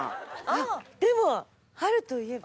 あっでも。